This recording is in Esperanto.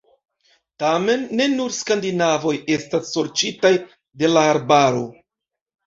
Tamen ne nur skandinavoj estas sorĉitaj de la arbaro.